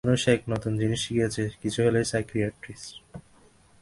মানুষ এই এক নতুন জিনিশ শিখেছে, কিছু হলেই সাইকিয়াট্রিস্ট।